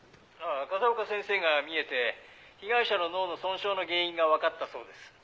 「ああ風丘先生が見えて被害者の脳の損傷の原因がわかったそうです」